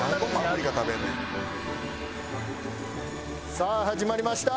さあ始まりました。